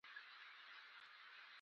هندوانو ته زده کړه ورکول کېده.